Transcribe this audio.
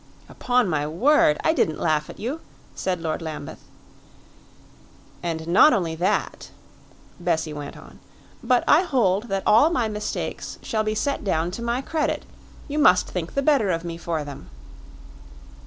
"Upon my word, I didn't laugh at you," said Lord Lambeth. "And not only that," Bessie went on; "but I hold that all my mistakes shall be set down to my credit. You must think the better of me for them."